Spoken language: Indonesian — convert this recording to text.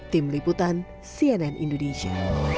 tim liputan cnn indonesia